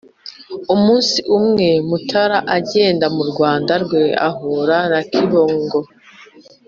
umunsi umwe mutara agenda mu rwanda rwe ahura na kibogo